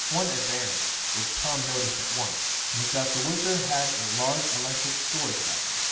One advantage which Tom noticed at once, was that the WHIZZER had a large electric storage battery.